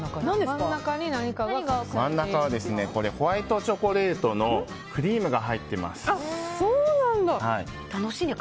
真ん中はホワイトチョコレートのクリームが入ってます。